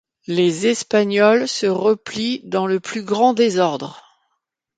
Les Espagnols se replient dans le plus grand désordre.